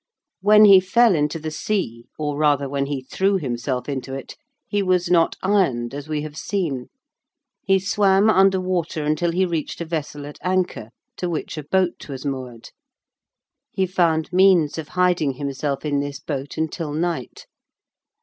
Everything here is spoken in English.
When he fell into the sea, or rather, when he threw himself into it, he was not ironed, as we have seen. He swam under water until he reached a vessel at anchor, to which a boat was moored. He found means of hiding himself in this boat until night.